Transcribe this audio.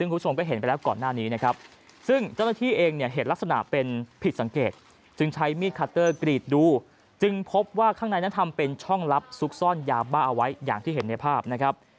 โดยที่ด้านบนเนี่ยพบว่ามีการนำสิ่งของอื่นวางทัพเอาไว้อีกชั้นหนึ่ง